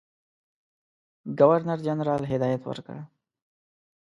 ګورنرجنرال هدایت ورکړ.